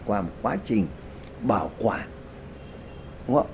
qua một quá trình bảo quản